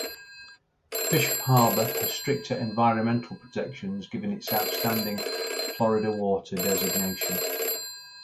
Bishop Harbor has stricter environmental protections given its Outstanding Florida Water designation.